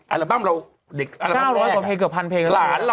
อัลบั้มเราเด็กอัลบั้มแรก